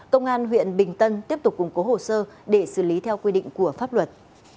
công an huyện bình tân tiếp tục củng cố hồ sơ để xử lý theo quy định của pháp luật